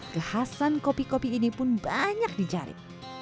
kehasan kopi kopi ini pun banyak di cari